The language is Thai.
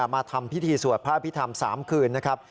มาทำพิธีสวดพระอภิษฐรรม๓คืนนะครับ